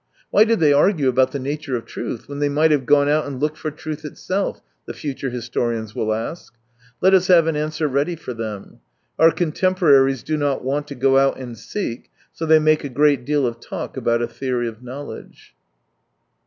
" Why did they argue about the nature of truth, when they might have gone out and looked for truth itself ?" the future histor ians wiU ask. Let us have a"n answer ready for them. Our contemporaries do not want to go out and seek, so they make a great deal of talk about a theory of knowledge.